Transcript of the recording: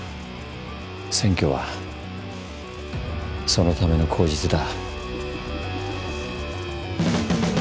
選挙はそのための口実だ。